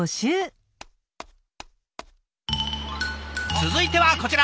続いてはこちら！